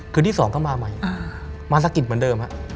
คืนที่๒ก็มาใหม่มาสักกิจเหมือนเดิม